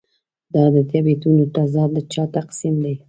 دا د طبیعتونو تضاد د چا تقسیم دی.